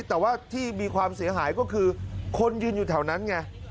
แต่ว่าที่มีความเสียหายก็คือคนยืนอยู่แถวนั้นไง